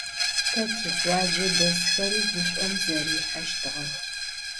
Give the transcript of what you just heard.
Te tikhuace desxeri guş'om zeriheştığex.